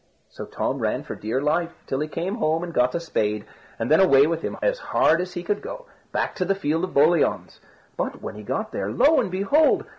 So Tom ran for dear life, till he came home and got a spade, and then away with him, as hard as he could go, back to the field of boliauns; but when he got there, lo and behold!